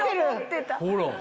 ほら。